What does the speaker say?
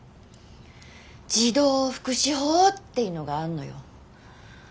児童福祉法っていうのがあんのよ。